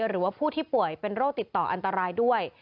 หรือว่าผู้ที่ป่วยเป็นโรคติดต่ออันตรายด้วย